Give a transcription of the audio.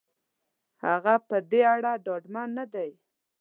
هغه په دې اړه ډاډمن نه دی.